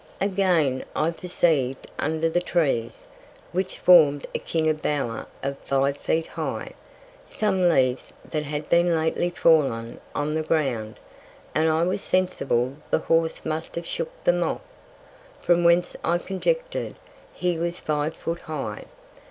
Again, I perceiv'd under the Trees, which form'd a Kind of Bower of five Feet high, some Leaves that had been lately fallen on the Ground, and I was sensible the Horse must have shook them off; from whence I conjectur'd he was five Foot high.